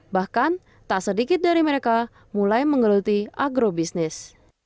bahkan tak sedikit dari mereka mulai menggeluti agrobisnis